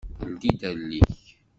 Ldi-d allen-ik.